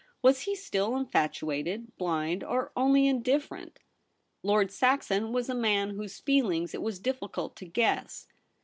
Was he still infatuated, blind, or only in different ? Lord Saxon was a man whose feelings it was difficult to guess.